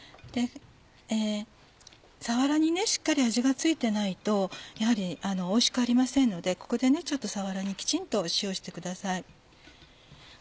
さわらにしっかり味が付いてないとやはりおいしくありませんのでここでさわらにきちんと塩をしてください。